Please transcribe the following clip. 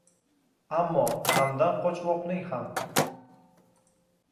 Ammo g’amdan qochmoqning ham